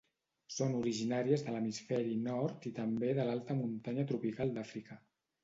Són originàries de l'hemisferi nord i també de l'alta muntanya tropical d'Àfrica.